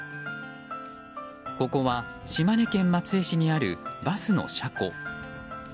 ここは島根県松江市にあるバスの車庫。